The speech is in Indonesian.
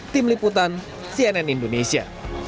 tim liputan cnn indonesia